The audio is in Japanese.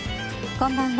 こんばんは。